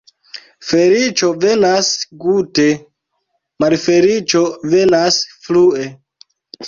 Feliĉo venas gute, malfeliĉo venas flue.